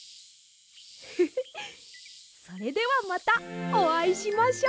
フフフそれではまたおあいしましょう！